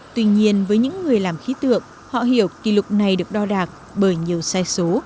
tuy nhiên với những người làm khí tượng họ hiểu kỷ lục này được đo đạc bởi nhiều sai số